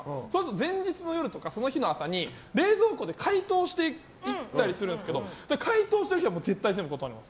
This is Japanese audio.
前日の夜とかその日の朝に冷蔵庫で解凍していったりするんですけど解凍した日は絶対に全部断ります。